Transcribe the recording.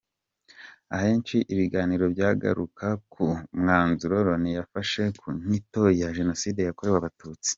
Ahenshi ibiganiro byagarukaga ku mwanzuro Loni yafashe ku nyito ya Jenoside yakorewe Abatutsi.